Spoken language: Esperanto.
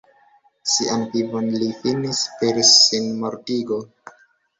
Sian vivon li finis per sinmortigo.